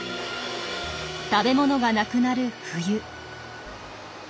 食べ物がなくなる冬。